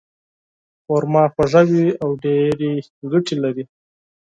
خرما خواږه وي او ډېرې ګټې لري.